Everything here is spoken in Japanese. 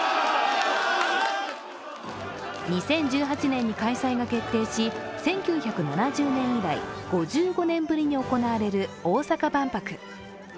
２０１８年に開催が決定し１９７０年以来５５年ぶりに行われる大阪万博。